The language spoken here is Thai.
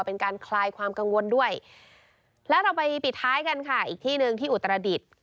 เป็นการคลายความกังวลด้วยแล้วเราไปปิดท้ายกันค่ะอีกที่หนึ่งที่อุตรดิษฐ์